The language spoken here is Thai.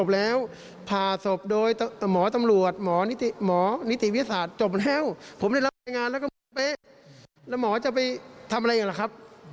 แล้วหมอจะไปทำอะไรอย่างไรครับ